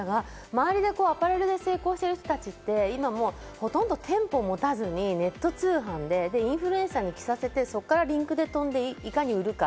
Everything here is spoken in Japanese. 周りでアパレルで成功してる人たちって、ほとんど店舗を持たずにネット通販でインフルエンサーに着させて、そこからリンクで飛んで、いかに売るか。